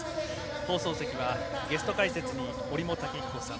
放送席はゲスト解説に折茂武彦さん。